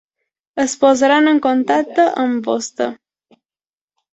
Es posaran en contacte amb vostè.